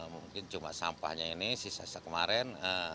mungkin cuma sampahnya ini sisa sisa kemarin